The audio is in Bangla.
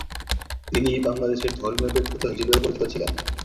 তিনি বাংলাদেশের ধর্মীয় ব্যক্তিত্ব হিসেবেও পরিচিত ছিলেন।